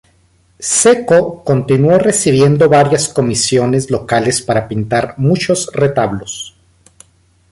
Cecco continuó recibiendo varias comisiones locales para pintar muchos retablos.